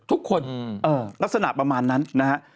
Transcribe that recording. ทุกคนลักษณะประมาณนั้นนะฮะ